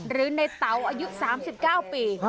หรือในเต๋าอายุ๓๙ปี